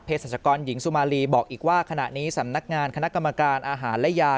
ศัชกรหญิงสุมารีบอกอีกว่าขณะนี้สำนักงานคณะกรรมการอาหารและยา